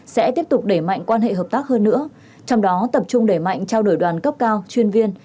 sẽ tiếp tục đẩy mạnh quan hệ hợp tác hơn nữa trong đó tập trung đẩy mạnh trao đổi đoàn cấp cao chuyên viên